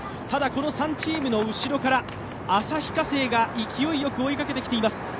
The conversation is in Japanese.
ただ、この３チームの後ろから旭化成が勢いよく追いかけてきています。